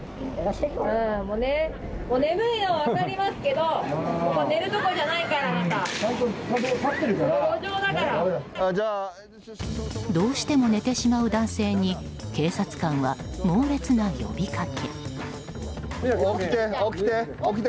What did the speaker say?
どうしても寝てしまう男性に警察官は猛烈な呼びかけ。